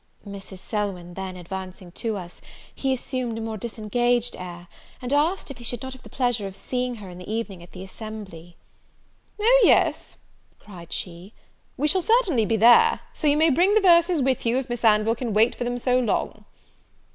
Mrs. Selwyn then advancing to us, he assumed a more disengaged air, and asked, if he should not have the pleasure of seeing her in the evening at the assembly? "Oh, yes," cried she, "we shall certainly be there; so you may bring the verses with you, if Miss Anville can wait for them so long."